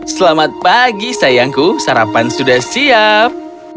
selamat pagi sayangku sarapan sudah siap